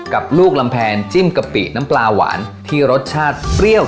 กับลูกลำแพงจิ้มกะปิน้ำปลาหวานที่รสชาติเปรี้ยว